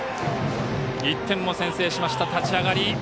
１点先制しました、立ち上がり。